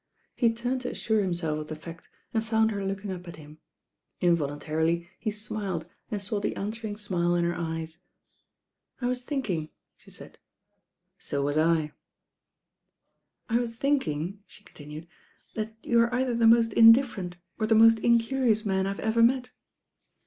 He turned to assure himself of the fact, and found her looking up at him. Involuntarily he smiled and saw the answering smile m her eyes. "I was thinking," she said. I6f THE BAIN OIRL M "So was I." "I was thinking," the continued, "that you are* either the most indifferent or the most incurious man I have ever met."